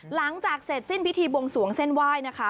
หลังจากเสร็จสิ้นพิธีบวงสวงเส้นไหว้นะคะ